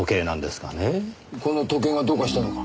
この時計がどうかしたのか？